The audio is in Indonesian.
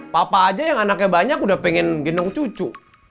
papa aja yang anaknya banyak udah pengen gendong cucu